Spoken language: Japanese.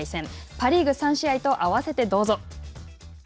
パ・リーグ３試合と合わせてどうぞ。